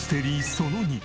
その２。